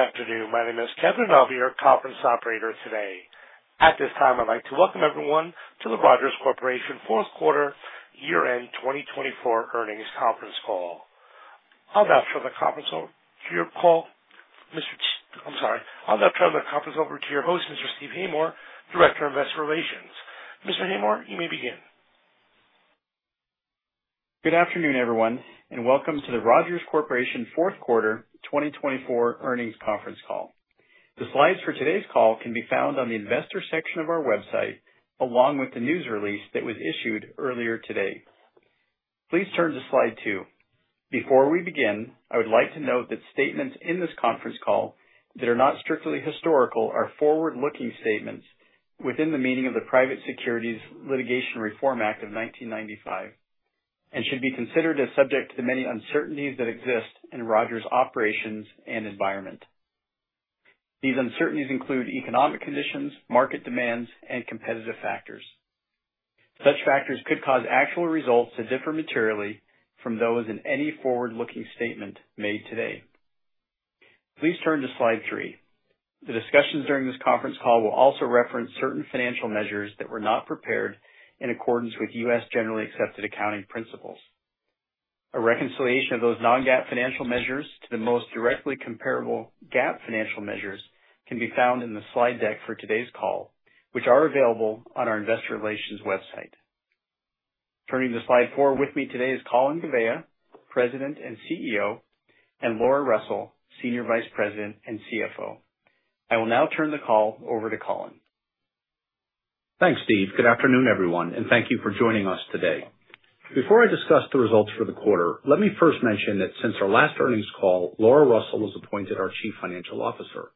Good afternoon. My name is Kevin Napier, conference operator today. At this time, I'd like to welcome everyone to the Rogers Corporation fourth quarter year end 2024 earnings conference call. I'll now turn the conference over to your host, Mr. Steve Haymore, Director of Investor Relations. Mr. Haymore, you may begin. Good afternoon, everyone, and welcome to the Rogers Corporation fourth quarter 2024 earnings conference call. The slides for today's call can be found on the Investor section of our website, along with the news release that was issued earlier today. Please turn to slide two. Before we begin, I would like to note that statements in this conference call that are not strictly historical are forward-looking statements within the meaning of the Private Securities Litigation Reform Act of 1995 and should be considered as subject to the many uncertainties that exist in Rogers' operations and environment. These uncertainties include economic conditions, market demands, and competitive factors. Such factors could cause actual results to differ materially from those in any forward-looking statement made today. Please turn to slide three. The discussions during this conference call will also reference certain financial measures that were not prepared in accordance with U.S. Generally Accepted Accounting Principles. A reconciliation of those non-GAAP financial measures to the most directly comparable GAAP financial measures can be found in the slide deck for today's call, which are available on our Investor Relations website. Turning to slide four, with me today is Colin Gouveia, President and CEO, and Laura Russell, Senior Vice President and CFO. I will now turn the call over to Colin. Thanks, Steve. Good afternoon, everyone, and thank you for joining us today. Before I discuss the results for the quarter, let me first mention that since our last earnings call, Laura Russell was appointed our Chief Financial Officer.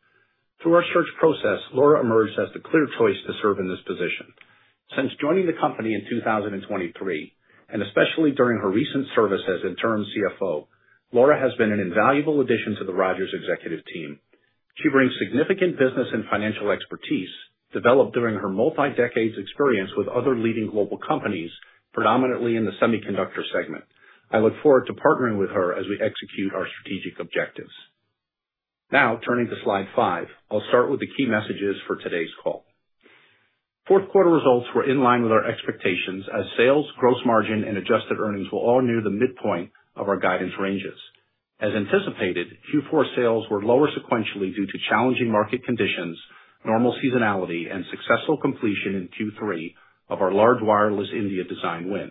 Through our search process, Laura emerged as the clear choice to serve in this position. Since joining the company in 2023, and especially during her recent service as interim CFO, Laura has been an invaluable addition to the Rogers executive team. She brings significant business and financial expertise developed during her multidecade experience with other leading global companies, predominantly in the semiconductor segment. I look forward to partnering with her as we execute our strategic objectives. Now, turning to slide five, I'll start with the key messages for today's call. Fourth quarter results were in line with our expectations as sales, gross margin, and adjusted earnings were all near the midpoint of our guidance ranges. As anticipated, Q4 sales were lower sequentially due to challenging market conditions, normal seasonality, and successful completion in Q3 of our large wireless India design win.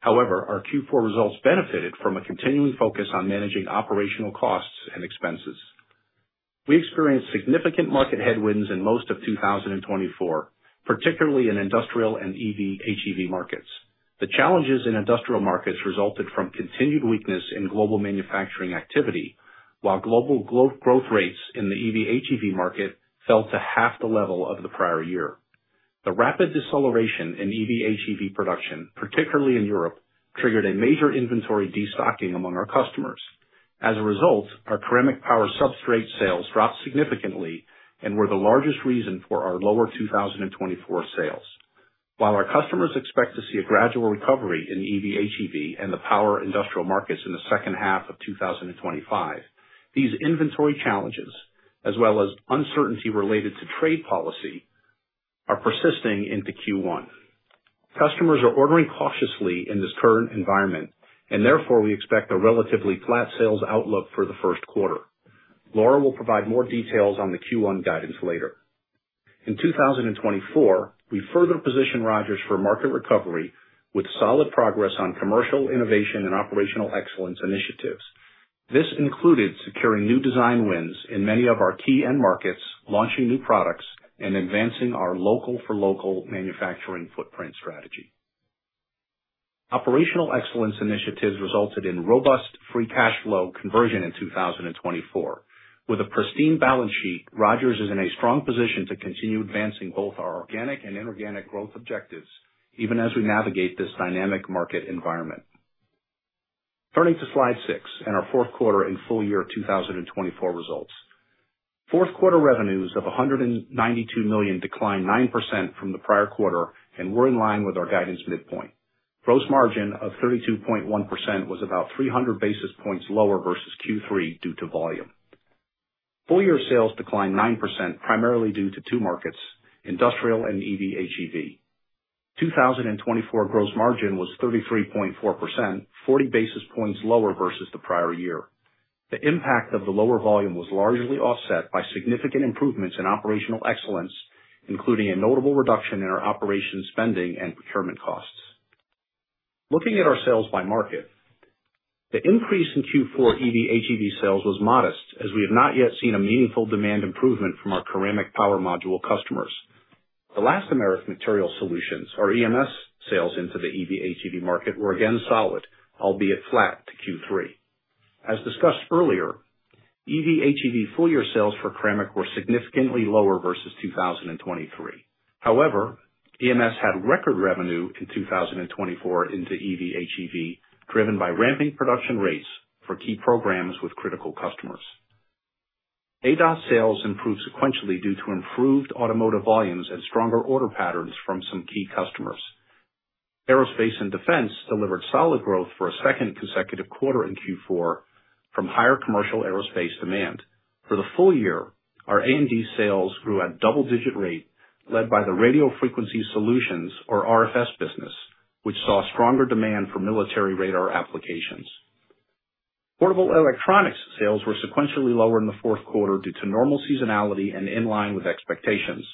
However, our Q4 results benefited from a continuing focus on managing operational costs and expenses. We experienced significant market headwinds in most of 2024, particularly in industrial and EV/HEV markets. The challenges in industrial markets resulted from continued weakness in global manufacturing activity, while global growth rates in the EV/HEV market fell to half the level of the prior year. The rapid deceleration in EV/HEV production, particularly in Europe, triggered a major inventory destocking among our customers. As a result, our ceramic power substrate sales dropped significantly and were the largest reason for our lower 2024 sales. While our customers expect to see a gradual recovery in EV/HEV and the power industrial markets in the second half of 2025, these inventory challenges, as well as uncertainty related to trade policy, are persisting into Q1. Customers are ordering cautiously in this current environment, and therefore we expect a relatively flat sales outlook for the first quarter. Laura will provide more details on the Q1 guidance later. In 2024, we further positioned Rogers for market recovery with solid progress on commercial innovation and operational excellence initiatives. This included securing new design wins in many of our key end markets, launching new products, and advancing our local-for-local manufacturing footprint strategy. Operational excellence initiatives resulted in robust free cash flow conversion in 2024. With a pristine balance sheet, Rogers is in a strong position to continue advancing both our organic and inorganic growth objectives, even as we navigate this dynamic market environment. Turning to slide six and our fourth quarter and full year 2024 results. Fourth quarter revenues of $192 million declined 9% from the prior quarter and were in line with our guidance midpoint. Gross margin of 32.1% was about 300 basis points lower versus Q3 due to volume. Full year sales declined 9% primarily due to two markets, industrial and EV/HEV. 2024 gross margin was 33.4%, 40 basis points lower versus the prior year. The impact of the lower volume was largely offset by significant improvements in operational excellence, including a notable reduction in our operational spending and procurement costs. Looking at our sales by market, the increase in Q4 EV/HEV sales was modest as we have not yet seen a meaningful demand improvement from our ceramic power module customers. Elastomeric Material Solutions, our EMS sales into the EV/HEV market were again solid, albeit flat to Q3. As discussed earlier, EV/HEV full year sales for ceramic were significantly lower versus 2023. However, EMS had record revenue in 2024 into EV/HEV, driven by ramping production rates for key programs with critical customers. ADAS sales improved sequentially due to improved automotive volumes and stronger order patterns from some key customers. Aerospace and Defense delivered solid growth for a second consecutive quarter in Q4 from higher commercial aerospace demand. For the full year, our A&D sales grew at double-digit rate, led by the Radio Frequency Solutions, or RFS, business, which saw stronger demand for military radar applications. Portable electronics sales were sequentially lower in the fourth quarter due to normal seasonality and in line with expectations.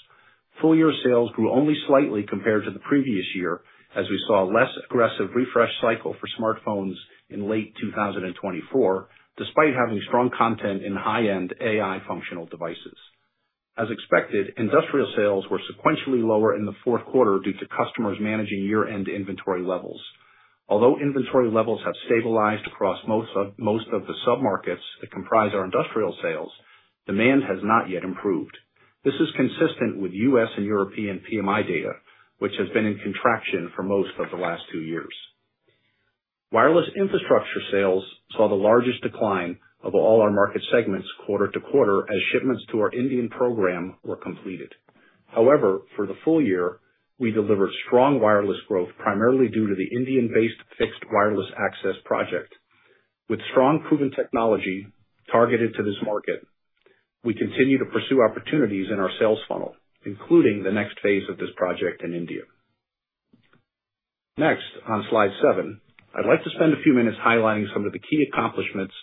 Full year sales grew only slightly compared to the previous year as we saw a less aggressive refresh cycle for smartphones in late 2024, despite having strong content in high-end AI functional devices. As expected, industrial sales were sequentially lower in the fourth quarter due to customers managing year-end inventory levels. Although inventory levels have stabilized across most of the sub-markets that comprise our industrial sales, demand has not yet improved. This is consistent with U.S. and European PMI data, which has been in contraction for most of the last two years. Wireless infrastructure sales saw the largest decline of all our market segments quarter to quarter as shipments to our Indian program were completed. However, for the full year, we delivered strong wireless growth primarily due to the Indian-based fixed wireless access project. With strong proven technology targeted to this market, we continue to pursue opportunities in our sales funnel, including the next phase of this project in India. Next, on slide seven, I'd like to spend a few minutes highlighting some of the key accomplishments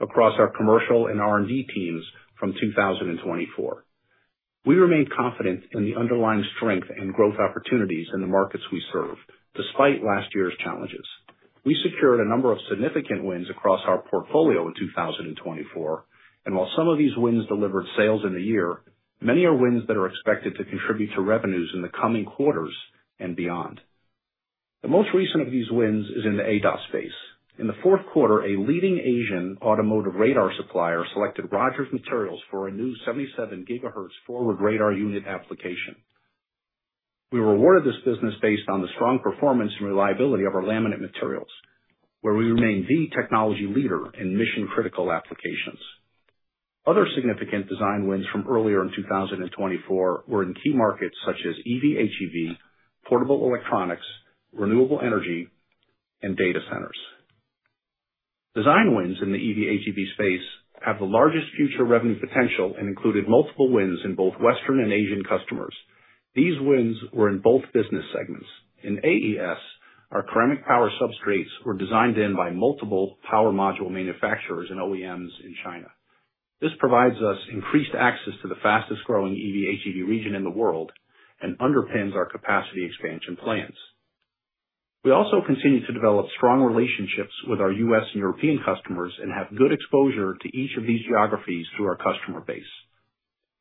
across our commercial and R&D teams from 2024. We remain confident in the underlying strength and growth opportunities in the markets we serve, despite last year's challenges. We secured a number of significant wins across our portfolio in 2024, and while some of these wins delivered sales in the year, many are wins that are expected to contribute to revenues in the coming quarters and beyond. The most recent of these wins is in the ADAS space. In the fourth quarter, a leading Asian automotive radar supplier selected Rogers Materials for a new 77 GHz forward radar unit application. We rewarded this business based on the strong performance and reliability of our laminate materials, where we remain the technology leader in mission-critical applications. Other significant design wins from earlier in 2024 were in key markets such as EV/HEV, portable electronics, renewable energy, and data centers. Design wins in the EV/HEV space have the largest future revenue potential and included multiple wins in both Western and Asian customers. These wins were in both business segments. In AES, our ceramic power substrates were designed in by multiple power module manufacturers and OEMs in China. This provides us increased access to the fastest-growing EV/HEV region in the world and underpins our capacity expansion plans. We also continue to develop strong relationships with our U.S. and European customers and have good exposure to each of these geographies through our customer base.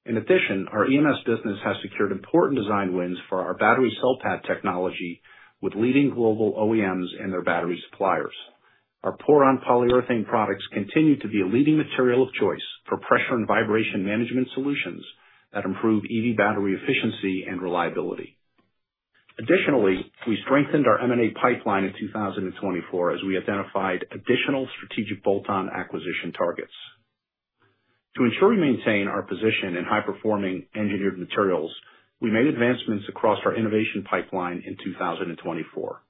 In addition, our EMS business has secured important design wins for our battery cell pad technology with leading global OEMs and their battery suppliers. Our PORON polyurethane products continue to be a leading material of choice for pressure and vibration management solutions that improve EV battery efficiency and reliability. Additionally, we strengthened our M&A pipeline in 2024 as we identified additional strategic bolt-on acquisition targets. To ensure we maintain our position in high-performing engineered materials, we made advancements across our innovation pipeline in 2024.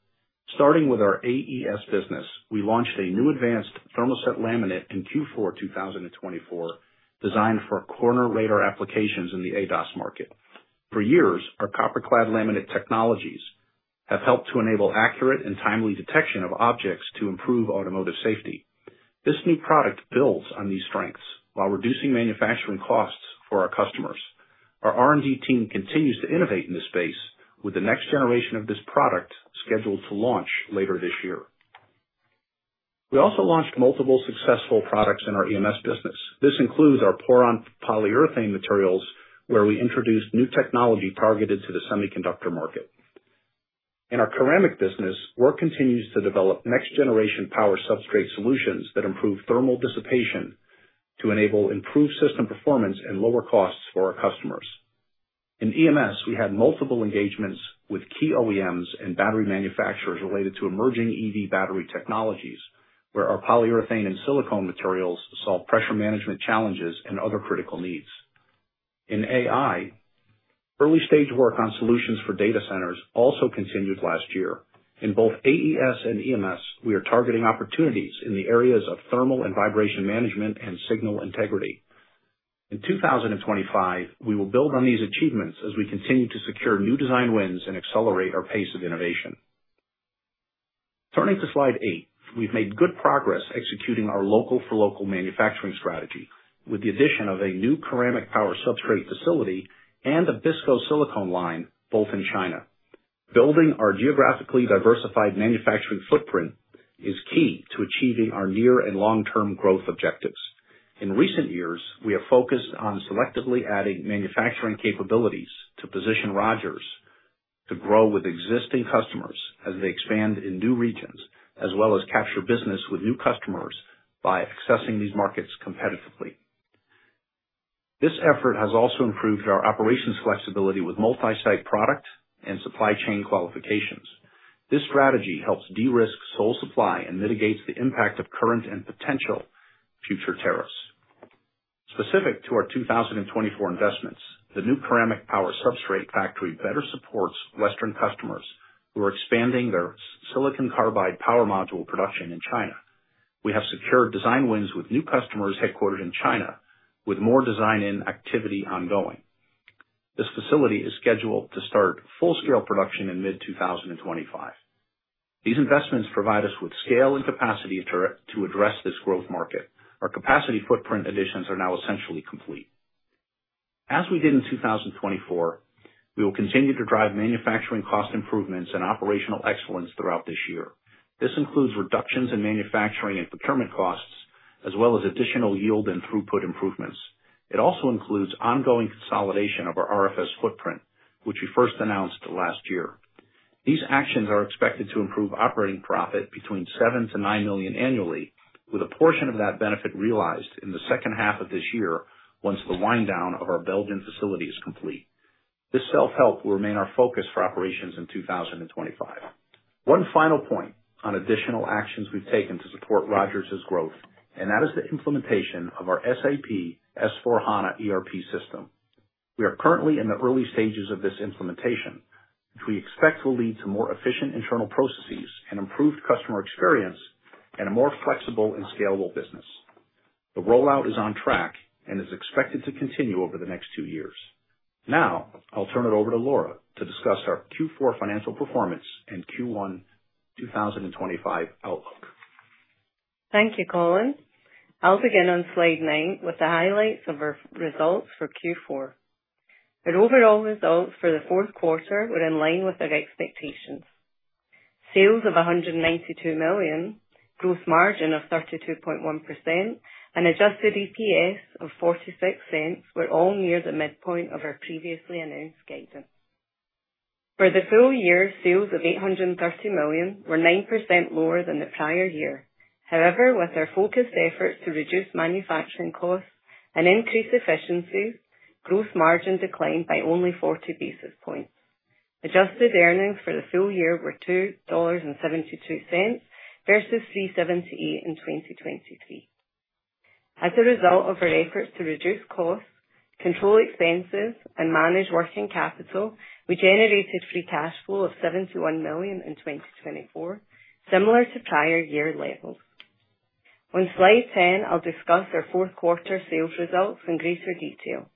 Starting with our AES business, we launched a new advanced thermoset laminate in Q4 2024 designed for corner radar applications in the ADAS market. For years, our copper-clad laminate technologies have helped to enable accurate and timely detection of objects to improve automotive safety. This new product builds on these strengths while reducing manufacturing costs for our customers. Our R&D team continues to innovate in this space with the next generation of this product scheduled to launch later this year. We also launched multiple successful products in our EMS business. This includes our PORON polyurethane materials, where we introduced new technology targeted to the semiconductor market. In our ceramic business, work continues to develop next-generation power substrate solutions that improve thermal dissipation to enable improved system performance and lower costs for our customers. In EMS, we had multiple engagements with key OEMs and battery manufacturers related to emerging EV battery technologies, where our polyurethane and silicone materials solve pressure management challenges and other critical needs. In AI, early-stage work on solutions for data centers also continued last year. In both AES and EMS, we are targeting opportunities in the areas of thermal and vibration management and signal integrity. In 2025, we will build on these achievements as we continue to secure new design wins and accelerate our pace of innovation. Turning to slide eight, we've made good progress executing our local-for-local manufacturing strategy with the addition of a new ceramic power substrate facility and a BISCO silicone line both in China. Building our geographically diversified manufacturing footprint is key to achieving our near and long-term growth objectives. In recent years, we have focused on selectively adding manufacturing capabilities to position Rogers to grow with existing customers as they expand in new regions, as well as capture business with new customers by accessing these markets competitively. This effort has also improved our operations flexibility with multi-site product and supply chain qualifications. This strategy helps de-risk sole supply and mitigates the impact of current and potential future tariffs. Specific to our 2024 investments, the new ceramic power substrate factory better supports Western customers who are expanding their silicon carbide power module production in China. We have secured design wins with new customers headquartered in China, with more design-in activity ongoing. This facility is scheduled to start full-scale production in mid-2025. These investments provide us with scale and capacity to address this growth market. Our capacity footprint additions are now essentially complete. As we did in 2024, we will continue to drive manufacturing cost improvements and operational excellence throughout this year. This includes reductions in manufacturing and procurement costs, as well as additional yield and throughput improvements. It also includes ongoing consolidation of our RFS footprint, which we first announced last year. These actions are expected to improve operating profit between $7 million-$9 million annually, with a portion of that benefit realized in the second half of this year once the wind down of our Belgian facility is complete. This self-help will remain our focus for operations in 2025. One final point on additional actions we've taken to support Rogers' growth, and that is the implementation of our SAP S/4HANA ERP system. We are currently in the early stages of this implementation, which we expect will lead to more efficient internal processes and improved customer experience and a more flexible and scalable business. The rollout is on track and is expected to continue over the next two years. Now, I'll turn it over to Laura to discuss our Q4 financial performance and Q1 2025 outlook. Thank you, Colin. I'll begin on slide nine with the highlights of our results for Q4. The overall results for the fourth quarter were in line with our expectations. Sales of $192 million, gross margin of 32.1%, and adjusted EPS of $0.46 were all near the midpoint of our previously announced guidance. For the full year, sales of $830 million were 9% lower than the prior year. However, with our focused efforts to reduce manufacturing costs and increase efficiency, gross margin declined by only 40 basis points. Adjusted earnings for the full year were $2.72 versus $3.78 in 2023. As a result of our efforts to reduce costs, control expenses, and manage working capital, we generated free cash flow of $71 million in 2024, similar to prior year levels. On slide 10, I'll discuss our fourth quarter sales results in greater detail.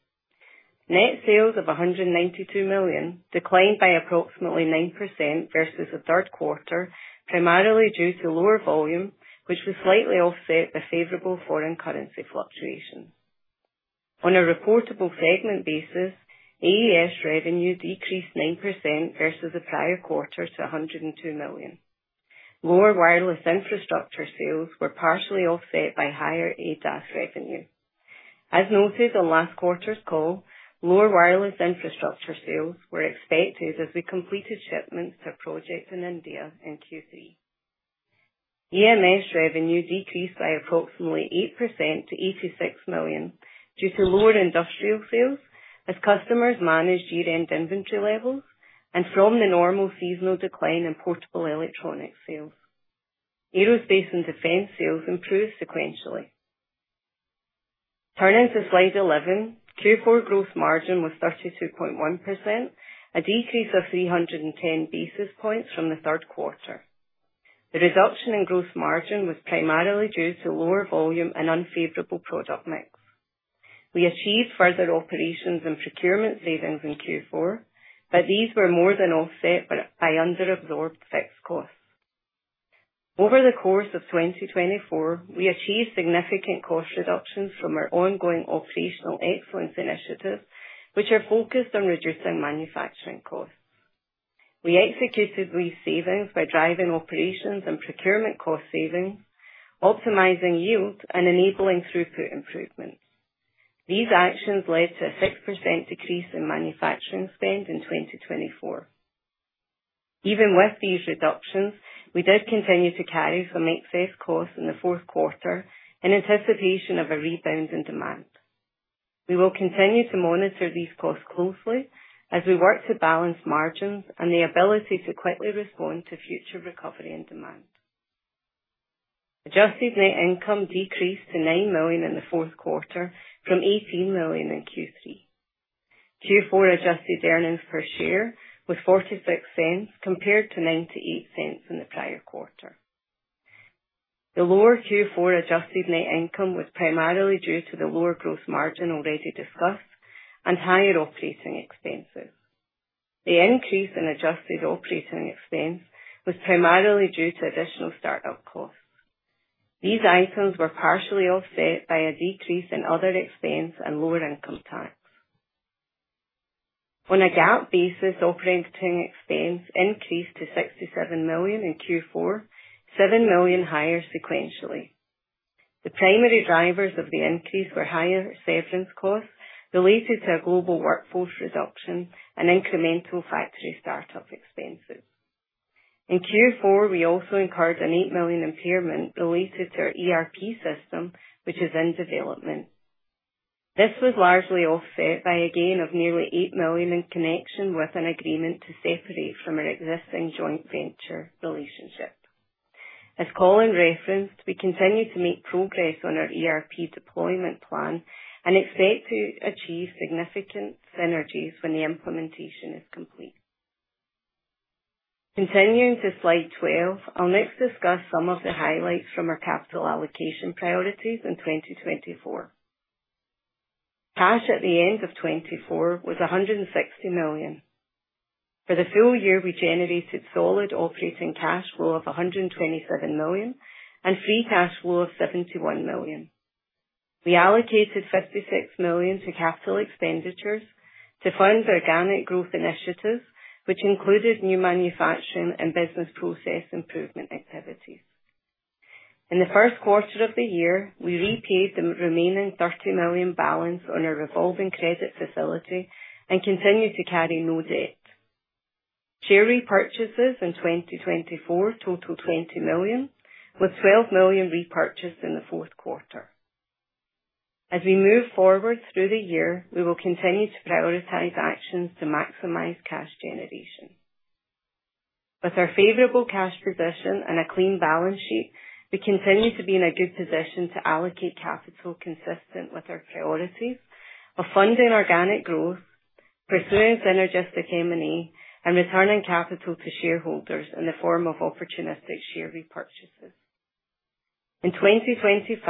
Net sales of $192 million declined by approximately 9% versus the third quarter, primarily due to lower volume, which was slightly offset by favorable foreign currency fluctuation. On a reportable segment basis, AES revenue decreased 9% versus the prior quarter to $102 million. Lower wireless infrastructure sales were partially offset by higher ADAS revenue. As noted on last quarter's call, lower wireless infrastructure sales were expected as we completed shipments to a project in India in Q3. EMS revenue decreased by approximately 8% to $86 million due to lower industrial sales as customers managed year-end inventory levels and from the normal seasonal decline in portable electronics sales. Aerospace and Defense sales improved sequentially. Turning to slide 11, Q4 gross margin was 32.1%, a decrease of 310 basis points from the third quarter. The reduction in gross margin was primarily due to lower volume and unfavorable product mix. We achieved further operations and procurement savings in Q4, but these were more than offset by under-absorbed fixed costs. Over the course of 2024, we achieved significant cost reductions from our ongoing operational excellence initiatives, which are focused on reducing manufacturing costs. We executed these savings by driving operations and procurement cost savings, optimizing yield, and enabling throughput improvements. These actions led to a 6% decrease in manufacturing spend in 2024. Even with these reductions, we did continue to carry some excess costs in the fourth quarter in anticipation of a rebound in demand. We will continue to monitor these costs closely as we work to balance margins and the ability to quickly respond to future recovery in demand. Adjusted net income decreased to $9 million in the fourth quarter from $18 million in Q3. Q4 adjusted earnings per share was $0.46 compared to $0.98 in the prior quarter. The lower Q4 adjusted net income was primarily due to the lower gross margin already discussed and higher operating expenses. The increase in adjusted operating expense was primarily due to additional startup costs. These items were partially offset by a decrease in other expense and lower income tax. On a GAAP basis, operating expense increased to $67 million in Q4, $7 million higher sequentially. The primary drivers of the increase were higher severance costs related to a global workforce reduction and incremental factory startup expenses. In Q4, we also incurred an $8 million impairment related to our ERP system, which is in development. This was largely offset by a gain of nearly $8 million in connection with an agreement to separate from our existing joint venture relationship. As Colin referenced, we continue to make progress on our ERP deployment plan and expect to achieve significant synergies when the implementation is complete. Continuing to slide 12, I'll next discuss some of the highlights from our capital allocation priorities in 2024. Cash at the end of 2024 was $160 million. For the full year, we generated solid operating cash flow of $127 million and free cash flow of $71 million. We allocated $56 million to capital expenditures to fund organic growth initiatives, which included new manufacturing and business process improvement activities. In the first quarter of the year, we repaid the remaining $30 million balance on our revolving credit facility and continued to carry no debt. Share repurchases in 2024 totaled $20 million, with $12 million repurchased in the fourth quarter. As we move forward through the year, we will continue to prioritize actions to maximize cash generation. With our favorable cash position and a clean balance sheet, we continue to be in a good position to allocate capital consistent with our priorities of funding organic growth, pursuing synergistic M&A, and returning capital to shareholders in the form of opportunistic share repurchases. In 2025,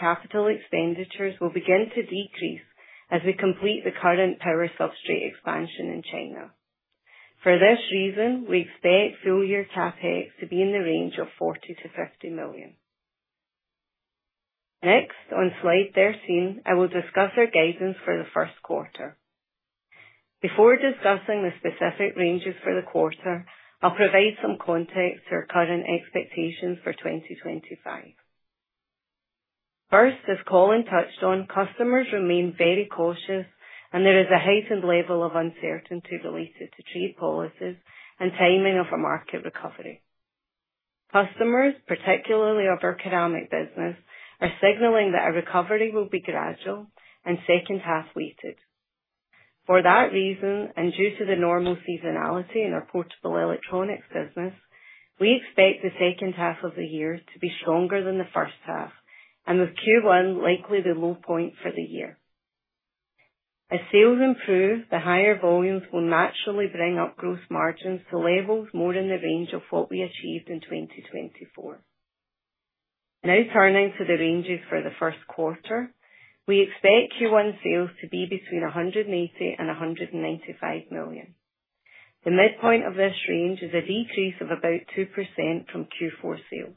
capital expenditures will begin to decrease as we complete the current power substrate expansion in China. For this reason, we expect full-year CapEx to be in the range of $40 million-$50 million. Next, on slide 13, I will discuss our guidance for the first quarter. Before discussing the specific ranges for the quarter, I'll provide some context to our current expectations for 2025. First, as Colin touched on, customers remain very cautious, and there is a heightened level of uncertainty related to trade policies and timing of a market recovery. Customers, particularly of our ceramic business, are signaling that a recovery will be gradual and second half weighted. For that reason, and due to the normal seasonality in our portable electronics business, we expect the second half of the year to be stronger than the first half, and with Q1 likely the low point for the year. As sales improve, the higher volumes will naturally bring up gross margins to levels more in the range of what we achieved in 2024. Now turning to the ranges for the first quarter, we expect Q1 sales to be between $180 million-$195 million. The midpoint of this range is a decrease of about 2% from Q4 sales.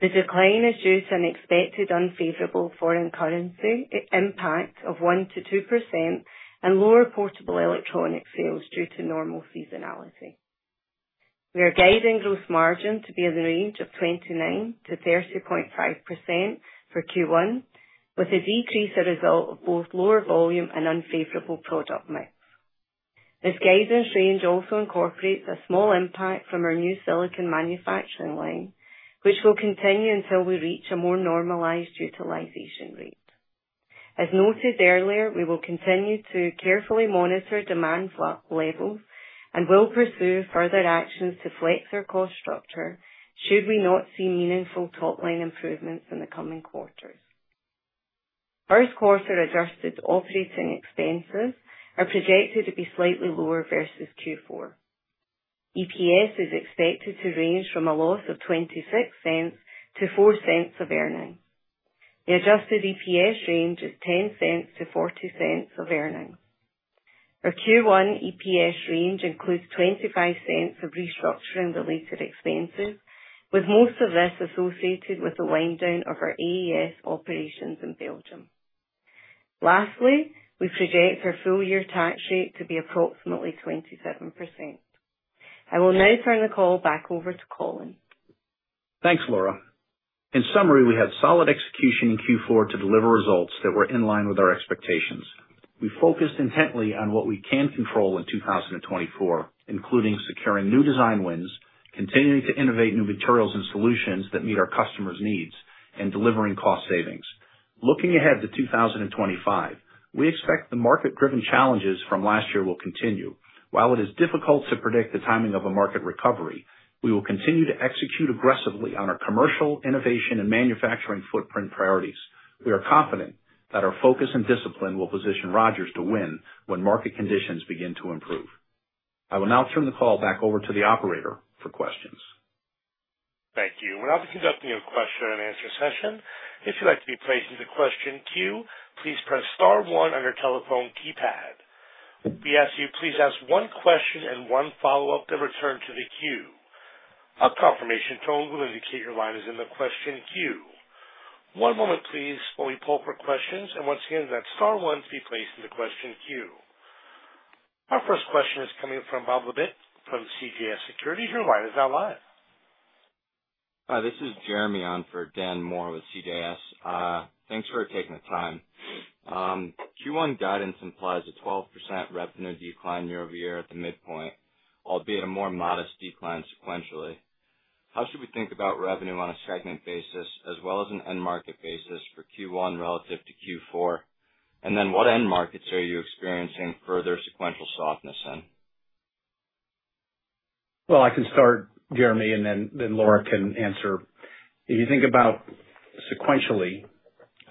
The decline is due to an expected unfavorable foreign currency impact of 1%-2% and lower portable electronics sales due to normal seasonality. We are guiding gross margin to be in the range of 29%-30.5% for Q1, with a decrease as a result of both lower volume and unfavorable product mix. This guidance range also incorporates a small impact from our new silicone manufacturing line, which will continue until we reach a more normalized utilization rate. As noted earlier, we will continue to carefully monitor demand levels and will pursue further actions to flex our cost structure should we not see meaningful top-line improvements in the coming quarters. First quarter adjusted operating expenses are projected to be slightly lower versus Q4. EPS is expected to range from a loss of $0.26-$0.04 of earnings. The adjusted EPS range is $0.10-$0.40 of earnings. Our Q1 EPS range includes $0.25 of restructuring-related expenses, with most of this associated with the wind down of our AES operations in Belgium. Lastly, we project our full-year tax rate to be approximately 27%. I will now turn the call back over to Colin. Thanks, Laura. In summary, we had solid execution in Q4 to deliver results that were in line with our expectations. We focused intently on what we can control in 2024, including securing new design wins, continuing to innovate new materials and solutions that meet our customers' needs, and delivering cost savings. Looking ahead to 2025, we expect the market-driven challenges from last year will continue. While it is difficult to predict the timing of a market recovery, we will continue to execute aggressively on our commercial, innovation, and manufacturing footprint priorities. We are confident that our focus and discipline will position Rogers to win when market conditions begin to improve. I will now turn the call back over to the operator for questions. Thank you. We're now conducting a question-and-answer session. If you'd like to be placed in the question queue, please press star one on your telephone keypad. We ask that you please ask one question and one follow-up, then return to the queue. A confirmation tone will indicate your line is in the question queue. One moment, please, while we pull up our questions, and once again, that's star one to be placed in the question queue. Our first question is coming from Bob Labick from CJS Securities. Your line is now live. Hi, this is Jeremy on for Dan Moore with CJS. Thanks for taking the time. Q1 guidance implies a 12% revenue decline year-over-year at the midpoint, albeit a more modest decline sequentially. How should we think about revenue on a segment basis as well as an end-market basis for Q1 relative to Q4? And then what end markets are you experiencing further sequential softness in? Well, I can start, Jeremy, and then Laura can answer. If you think about sequentially,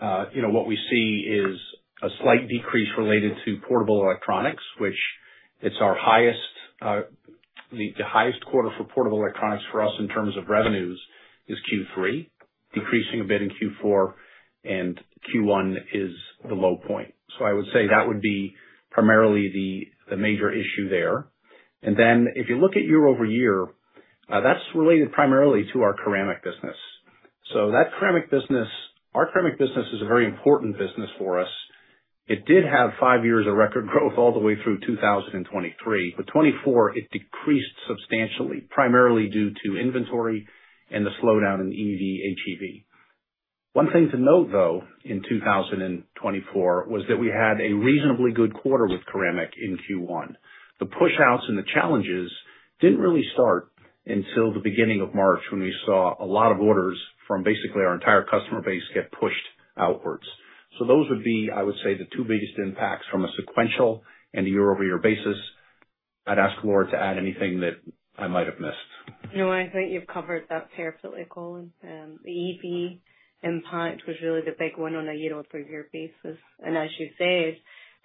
what we see is a slight decrease related to portable electronics, which is the highest quarter for portable electronics for us in terms of revenues, is Q3, decreasing a bit in Q4, and Q1 is the low point. So I would say that would be primarily the major issue there. And then if you look at year-over-year, that's related primarily to our ceramic business. So our ceramic business is a very important business for us. It did have five years of record growth all the way through 2023. But 2024, it decreased substantially, primarily due to inventory and the slowdown in EV/HEV. One thing to note, though, in 2024 was that we had a reasonably good quarter with ceramic in Q1. The push-outs and the challenges didn't really start until the beginning of March when we saw a lot of orders from basically our entire customer base get pushed outwards. So those would be, I would say, the two biggest impacts from a sequential and year-over-year basis. I'd ask Laura to add anything that I might have missed. No, I think you've covered that fairly well, Colin. The EV impact was really the big one on a year-over-year basis. And as you said,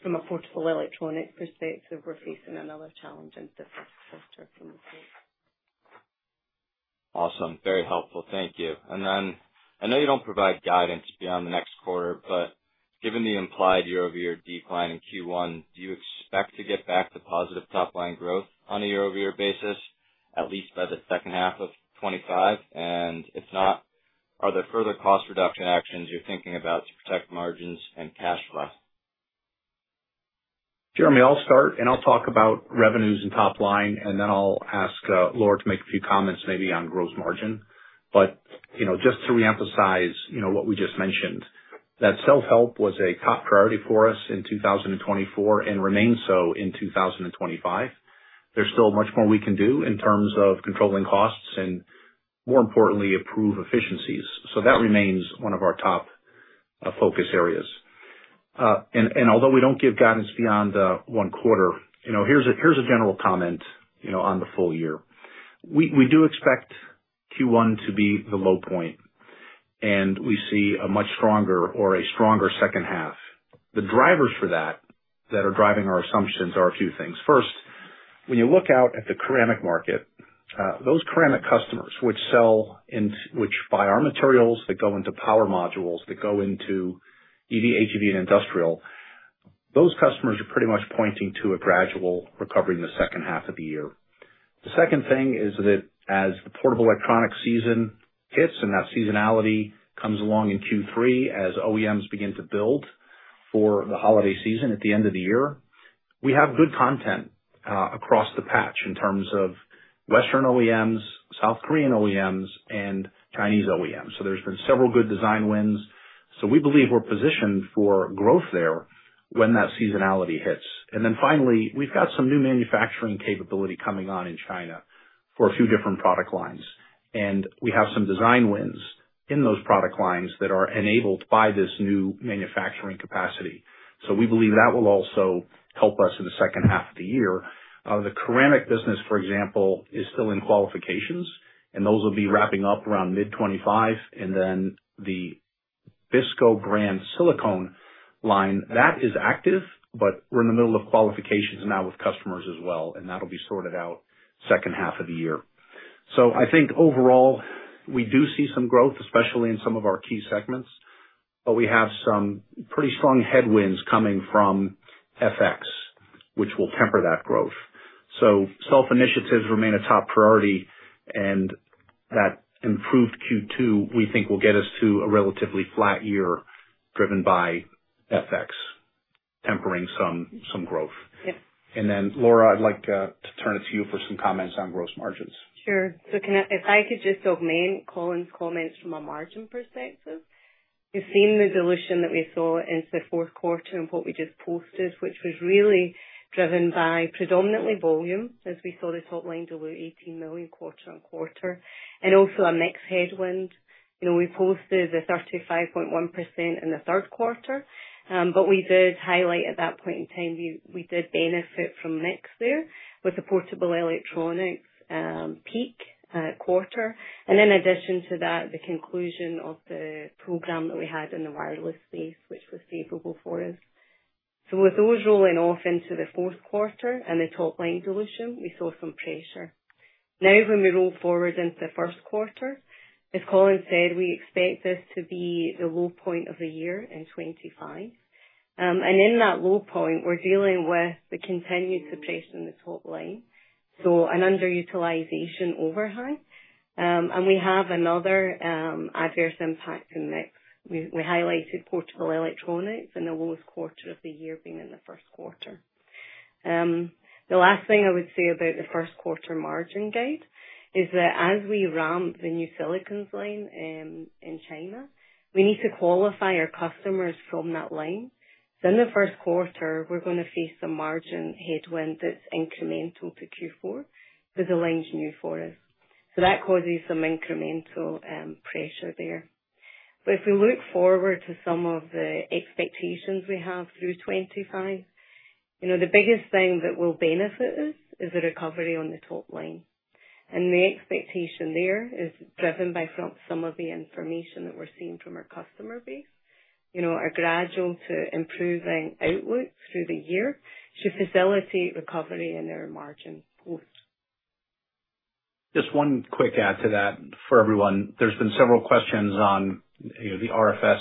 from a portable electronics perspective, we're facing another challenge in the first quarter from the quarter. Awesome. Very helpful. Thank you. And then I know you don't provide guidance beyond the next quarter, but given the implied year-over-year decline in Q1, do you expect to get back to positive top-line growth on a year-over-year basis, at least by the second half of 2025? If not, are there further cost-reduction actions you're thinking about to protect margins and cash flow? Jeremy, I'll start, and I'll talk about revenues and top-line, and then I'll ask Laura to make a few comments maybe on gross margin. But just to reemphasize what we just mentioned, that self-help was a top priority for us in 2024 and remains so in 2025. There's still much more we can do in terms of controlling costs and, more importantly, improving efficiencies. That remains one of our top focus areas. Although we don't give guidance beyond one quarter, here's a general comment on the full year. We do expect Q1 to be the low point, and we see a much stronger or a stronger second half. The drivers for that that are driving our assumptions are a few things. First, when you look out at the ceramic market, those ceramic customers which buy our materials, that go into power modules, that go into EV/HEV and industrial, those customers are pretty much pointing to a gradual recovery in the second half of the year. The second thing is that as the portable electronics season hits and that seasonality comes along in Q3, as OEMs begin to build for the holiday season at the end of the year, we have good content across the board in terms of Western OEMs, South Korean OEMs, and Chinese OEMs. So there's been several good design wins. So we believe we're positioned for growth there when that seasonality hits. And then finally, we've got some new manufacturing capability coming on in China for a few different product lines. We have some design wins in those product lines that are enabled by this new manufacturing capacity. We believe that will also help us in the second half of the year. The ceramic business, for example, is still in qualifications, and those will be wrapping up around mid-2025. Then the BISCO brand silicone line is active, but we're in the middle of qualifications now with customers as well, and that'll be sorted out second half of the year. Overall, we do see some growth, especially in some of our key segments, but we have some pretty strong headwinds coming from FX, which will temper that growth. Sales initiatives remain a top priority, and that improved Q2, we think, will get us to a relatively flat year driven by FX, tempering some growth. Then, Laura, I'd like to turn it to you for some comments on gross margins. Sure. So if I could just augment Colin's comments from a margin perspective, you've seen the dilution that we saw in the fourth quarter in what we just posted, which was really driven by predominantly volume, as we saw the top line dilute $18 million quarter on quarter. And also a mixed headwind. We posted 35.1% in the third quarter, but we did highlight at that point in time we did benefit from mix there with the portable electronics peak quarter. And in addition to that, the conclusion of the program that we had in the wireless space, which was favorable for us. So with those rolling off into the fourth quarter and the top-line dilution, we saw some pressure. Now, when we roll forward into the first quarter, as Colin said, we expect this to be the low point of the year in 2025. And in that low point, we're dealing with the continued suppression in the top line, so an underutilization overhang. And we have another adverse impact in mix. We highlighted portable electronics in the lowest quarter of the year being in the first quarter. The last thing I would say about the first quarter margin guide is that as we ramp the new silicone line in China, we need to qualify our customers from that line. So in the first quarter, we're going to face a margin headwind that's incremental to Q4 because the line's new for us. So that causes some incremental pressure there. But if we look forward to some of the expectations we have through 2025, the biggest thing that will benefit us is the recovery on the top-line. And the expectation there is driven by some of the information that we're seeing from our customer base, a gradual to improving outlook through the year should facilitate recovery in our margin post. Just one quick add to that for everyone. There's been several questions on the RFS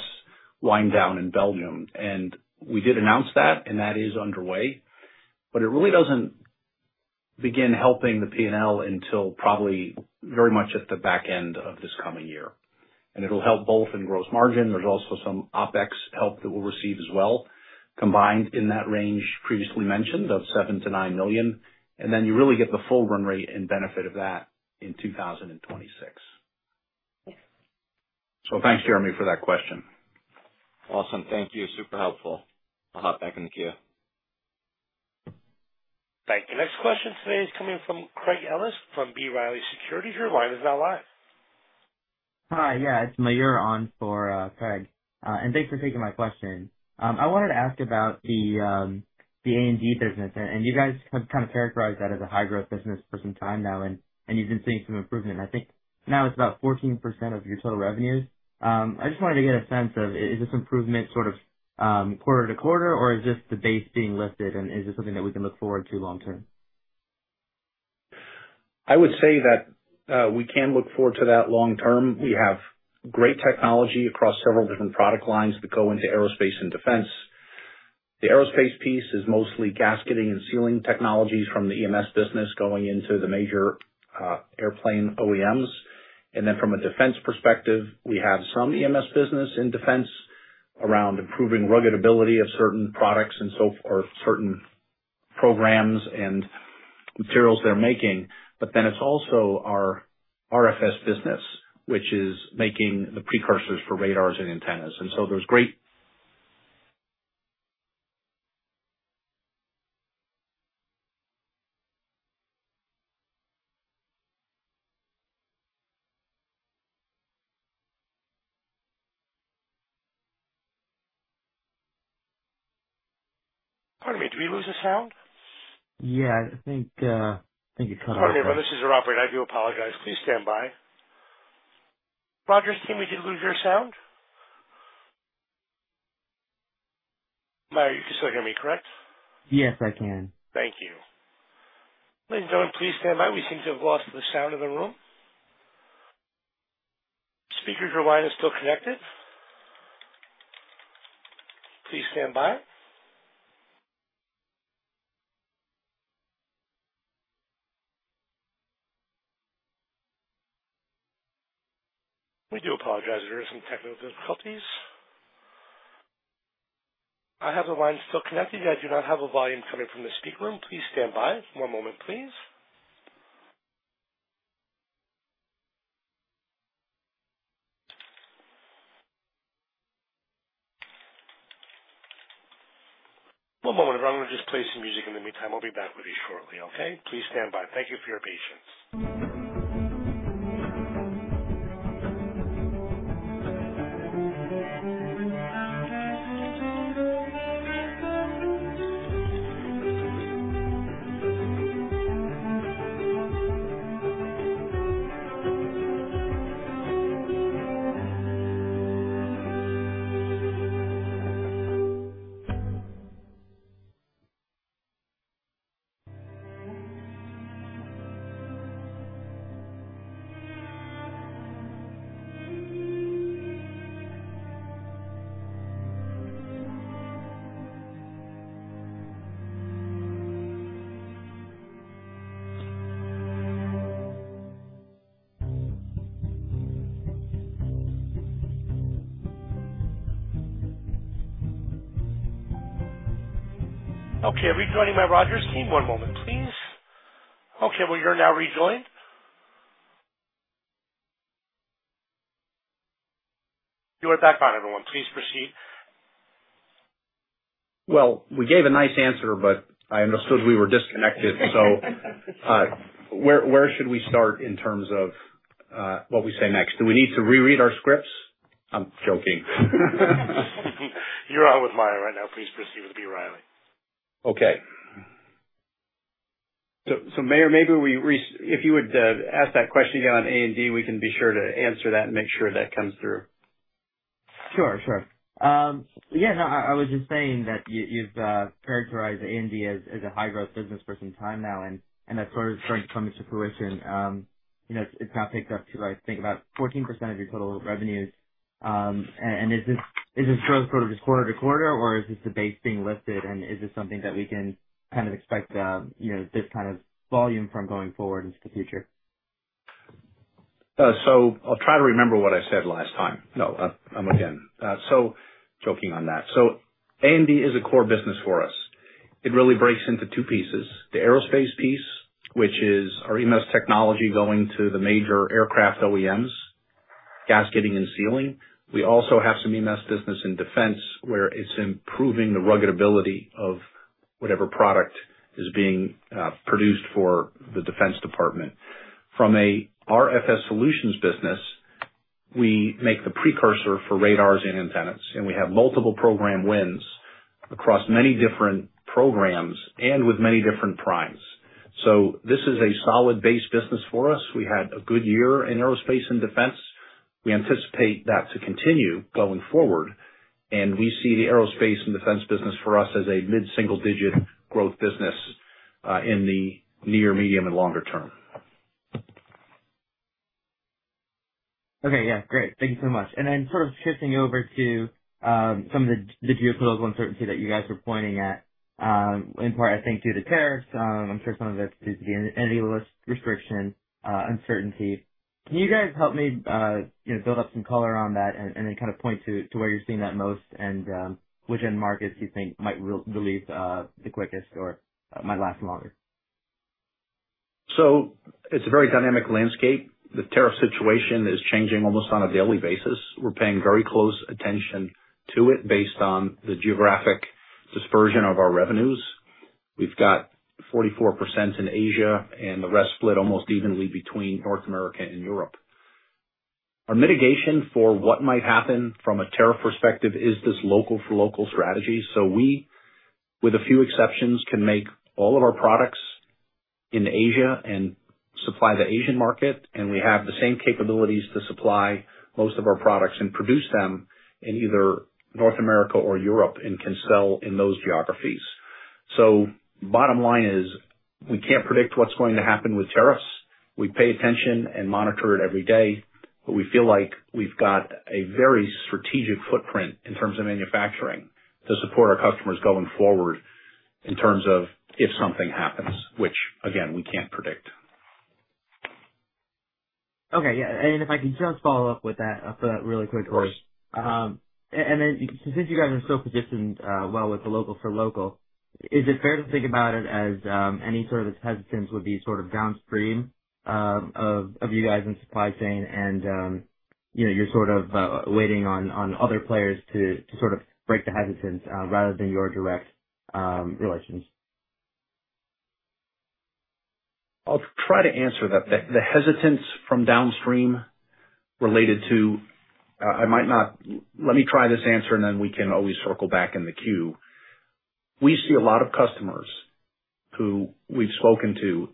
wind down in Belgium, and we did announce that, and that is underway. But it really doesn't begin helping the P&L until probably very much at the back end of this coming year. And it'll help both in gross margin. There's also some OpEx help that we'll receive as well, combined in that range previously mentioned of $7 million-$9 million. And then you really get the full run rate and benefit of that in 2026. So thanks, Jeremy, for that question. Awesome. Thank you. Super helpful. I'll hop back in the queue. Thank you. Next question today is coming from Craig Ellis from B. Riley Securities. Your line is now live. Hi. Yeah, it's Mayur on for Craig. And thanks for taking my question. I wanted to ask about the A&D business. And you guys have kind of characterized that as a high-growth business for some time now, and you've been seeing some improvement. I think now it's about 14% of your total revenues. I just wanted to get a sense of, is this improvement sort of quarter to quarter, or is this the base being lifted, and is this something that we can look forward to long-term? I would say that we can look forward to that long-term. We have great technology across several different product lines that go into aerospace and defense. The aerospace piece is mostly gasketing and sealing technologies from the EMS business going into the major airplane OEMs. And then from a defense perspective, we have some EMS business in defense around improving rugged ability of certain products and certain programs and materials they're making. But then it's also our RFS business, which is making the precursors for radars and antennas. And so there's great. Pardon me, did we lose the sound? Yeah, I think it cut off. Pardon me, my name is Robert. I do apologize. Please stand by. Rogers team, we did lose your sound. Mayur, you can still hear me, correct? Yes, I can. Thank you. Please stand by. We seem to have lost the sound in the room. Speaker's rewind is still connected. Please stand by. We do apologize if there are some technical difficulties. I have the line still connected. I do not have a volume coming from the speaker room. Please stand by. One moment, please. One moment, everyone. I'm going to just play some music in the meantime. I'll be back with you shortly, okay? Please stand by. Thank you for your patience. Okay. Are we joining the Rogers team? One moment, please. Okay. Well, you are now rejoined. You are back on, everyone. Please proceed. Well, we gave a nice answer, but I understood we were disconnected. So where should we start in terms of what we say next? Do we need to reread our scripts? I'm joking. You are on with Mayur right now. Please proceed with B. Riley. Okay. So Mayur, maybe if you would ask that question again on A&D, we can be sure to answer that and make sure that comes through. Sure. Sure. Yeah. No, I was just saying that you've characterized A&D as a high-growth business for some time now, and that's sort of starting to come into fruition. It's now picked up to, I think, about 14% of your total revenues. And is this growth sort of just quarter to quarter, or is this the base being lifted? And is this something that we can kind of expect this kind of volume from going forward into the future? So I'll try to remember what I said last time. No, I'm again. So joking on that. So A&D is a core business for us. It really breaks into two pieces. The aerospace piece, which is our EMS technology going to the major aircraft OEMs, gasketing and sealing. We also have some EMS business in defense where it's improving the rugged ability of whatever product is being produced for the defense department. From an RFS solutions business, we make the precursor for radars and antennas, and we have multiple program wins across many different programs and with many different primes. So this is a solid base business for us. We had a good year in aerospace and defense. We anticipate that to continue going forward. And we see the aerospace and defense business for us as a mid-single-digit growth business in the near, medium, and longer term. Okay. Yeah. Great. Thank you so much. And then sort of shifting over to some of the geopolitical uncertainty that you guys were pointing at, in part, I think, due to tariffs. I'm sure some of it's due to the Entity List restriction uncertainty. Can you guys help me build up some color on that and then kind of point to where you're seeing that most and which end markets you think might relieve the quickest or might last longer? So it's a very dynamic landscape. The tariff situation is changing almost on a daily basis. We're paying very close attention to it based on the geographic dispersion of our revenues. We've got 44% in Asia, and the rest split almost evenly between North America and Europe. Our mitigation for what might happen from a tariff perspective is this local-for-local strategy. So we, with a few exceptions, can make all of our products in Asia and supply the Asian market, and we have the same capabilities to supply most of our products and produce them in either North America or Europe and can sell in those geographies. So bottom line is we can't predict what's going to happen with tariffs. We pay attention and monitor it every day, but we feel like we've got a very strategic footprint in terms of manufacturing to support our customers going forward in terms of if something happens, which, again, we can't predict. Okay. Yeah. And if I can just follow up with that, I'll fill that really quickly. Of course. And then since you guys are so positioned well with the local-for-local, is it fair to think about it as any sort of hesitance would be sort of downstream of you guys in supply chain and you're sort of waiting on other players to sort of break the hesitance rather than your direct relations? I'll try to answer that. The hesitance from downstream related to I might not let me try this answer, and then we can always circle back in the queue. We see a lot of customers who we've spoken to,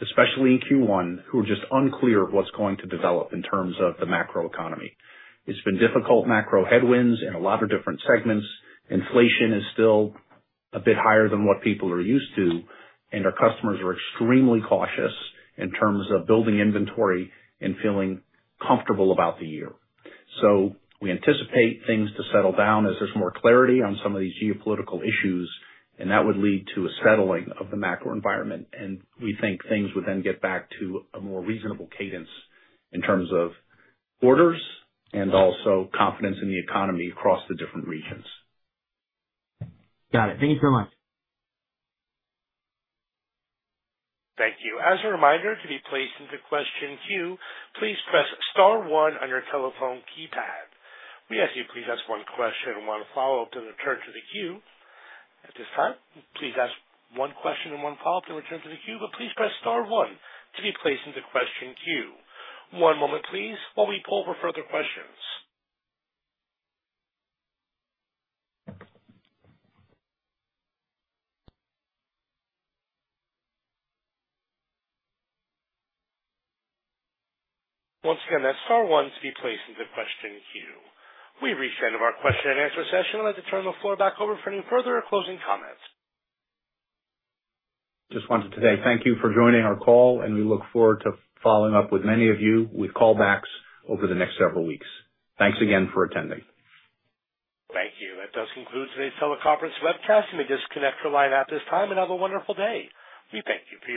especially in Q1, who are just unclear of what's going to develop in terms of the macroeconomy. It's been difficult macro headwinds in a lot of different segments. Inflation is still a bit higher than what people are used to, and our customers are extremely cautious in terms of building inventory and feeling comfortable about the year. So we anticipate things to settle down as there's more clarity on some of these geopolitical issues, and that would lead to a settling of the macroenvironment. And we think things would then get back to a more reasonable cadence in terms of orders and also confidence in the economy across the different regions. Got it. Thank you so much. Thank you. As a reminder, to be placed into question queue, please press star one on your telephone keypad. We ask that you please ask one question and one follow-up to return to the queue. At this time, please ask one question and one follow-up to return to the queue, but please press star one to be placed into question queue. One moment, please, while we pull for further questions. Once again, that's star one to be placed into question queue. We've reached the end of our question and answer session. I'd like to turn the floor back over for any further closing comments. Just wanted to say thank you for joining our call, and we look forward to following up with many of you with callbacks over the next several weeks. Thanks again for attending. Thank you. That does conclude today's teleconference webcast, and we disconnect from live at this time, and have a wonderful day. We thank you.